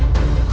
kau tidak bisa